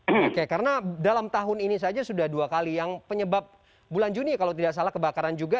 oke karena dalam tahun ini saja sudah dua kali yang penyebab bulan juni kalau tidak salah kebakaran juga